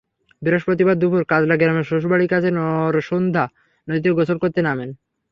বৃহস্পতিবার দুপুরে কাজলা গ্রামে শ্বশুরবাড়ির কাছে নরসুন্ধা নদীতে গোসল করতে নামেন।